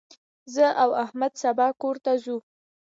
زه او احمد سبا کور ته ځو.